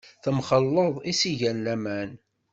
Temxelleḍ i s-igan laman.